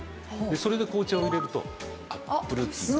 それで紅茶を入れるとアップルティーに。